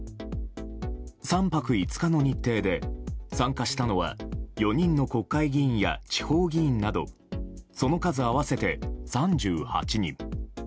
３泊５日の日程で参加したのは４人の国会議員や地方議員などその数合わせて３８人。